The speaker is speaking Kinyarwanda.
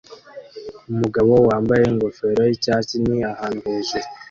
Umugabo wambaye ingofero yicyatsi ni ahantu hejuru